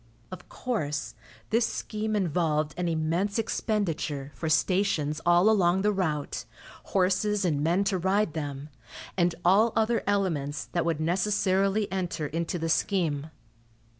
Of course, this scheme involved an immense expenditure for stations all along the route, horses and men to ride them, and all other elements that would necessarily enter into the scheme.